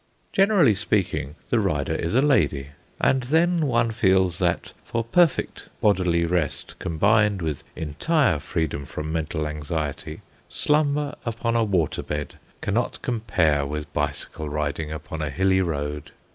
Generally speaking, the rider is a lady, and then one feels that, for perfect bodily rest combined with entire freedom from mental anxiety, slumber upon a water bed cannot compare with bicycle riding upon a hilly road.